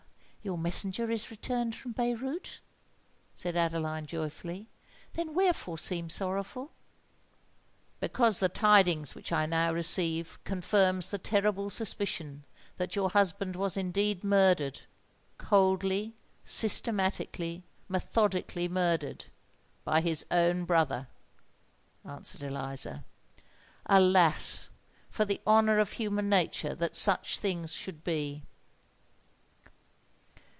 your messenger is returned from Beyrout?" said Adeline, joyfully. "Then wherefore seem sorrowful?" "Because the tidings which I now receive confirms the terrible suspicion that your husband was indeed murdered,—coldly—systematically—methodically murdered,—by his own brother!" answered Eliza. "Alas! for the honour of human nature that such things should be!"